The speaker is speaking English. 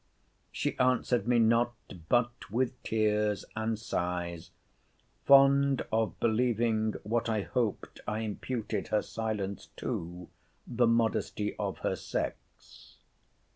She answered me not, but with tears and sighs; fond of believing what I hoped I imputed her silence to the modesty of her sex.